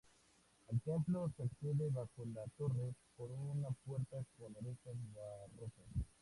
Al templo se accede, bajo la torre, por una puerta con orejas barrocas.